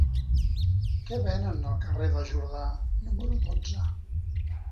Què venen al carrer de Jordà número dotze?